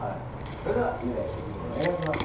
それでは雄大曲フリお願いします。